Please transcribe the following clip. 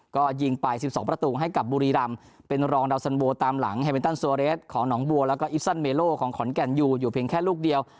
ก็ยิงไป๑๒ประตูให้กับบุรีรำเป็นรองดาวสันโวตามหลังไฮเมนตันโซเรสของหนองบัวแล้วก็อิสซันเมโลของขอนแก่นอยู่อยู่เพียงแค่ลูกเดียว